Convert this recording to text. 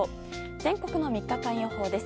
全国の３日間予報です。